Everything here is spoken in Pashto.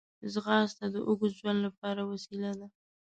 ځغاسته د اوږد ژوند لپاره وسیله ده